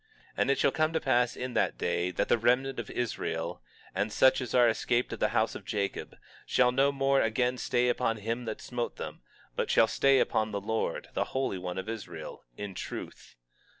20:20 And it shall come to pass in that day, that the remnant of Israel, and such as are escaped of the house of Jacob, shall no more again stay upon him that smote them, but shall stay upon the Lord, the Holy One of Israel, in truth.